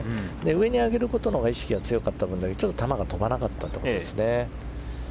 上に上げることのほうが意識が強かった分だけ球が飛ばなかったと思うんですね。